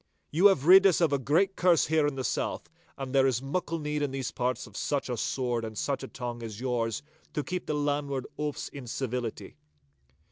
You have rid us of a great curse here in the south, and there is muckle need in these parts of such a sword and such a tongue as yours to keep the landward oafs in civility.